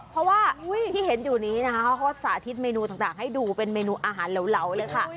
เพราะว่าที่เห็นอยู่นี้นะคะเขาก็สาธิตเมนูต่างให้ดูเป็นเมนูอาหารเหลาเลยค่ะ